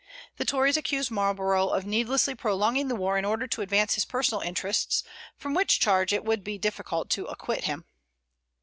The Tories accused Marlborough of needlessly prolonging the war in order to advance his personal interests, from which charge it would be difficult to acquit him.